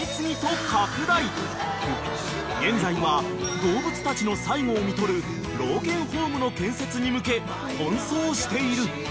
［現在は動物たちの最期をみとる老犬ホームの建設に向け奔走している］